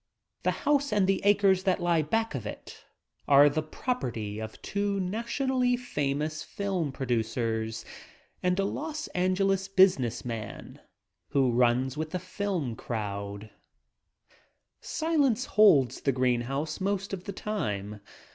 The house and the acres that lie back of it are the property of two nationally famous film produc ers and a Los Angeles business man who runs with the film crowd. DUCK BLINDS 21 Silence holds the green house most of the time.